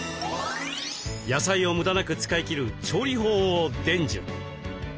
野菜をムダなく使い切る調理法を伝授。